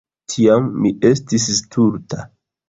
Tiam mi estis stulta.